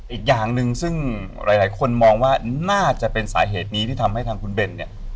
อีกอย่างหนึ่งซึ่งหลายคนมองว่าน่าจะเป็นสาเหตุนี้ที่ทำให้ทางคุณเบนเนี่ย